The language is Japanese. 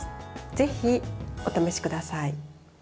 ぜひお試しください。